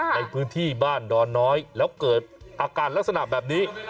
ในพื้นที่บ้านดอนน้อยแล้วเกิดอาการลักษณะแบบนี้